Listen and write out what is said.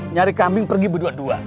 nyari kambing pergi berdua dua